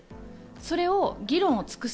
それを議論を尽くす。